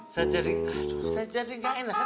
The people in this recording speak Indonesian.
saya jadi aduh saya jadi gak enak